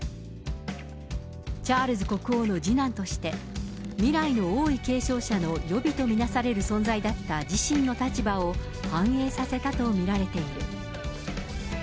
チャールズ国王の次男として、未来の王位継承者の予備とみなされる存在だった自身の立場を反映させたと見られている。